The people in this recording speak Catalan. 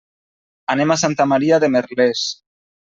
Anem a Santa Maria de Merlès.